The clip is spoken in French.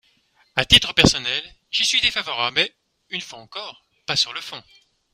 À titre personnel, j’y suis défavorable mais, une fois encore, pas sur le fond.